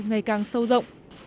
ngày càng sâu rộng